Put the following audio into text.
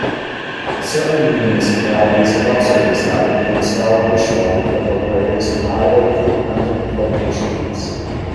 Certain municipalities have also decided to install additional defibrillators at highly frequented locations.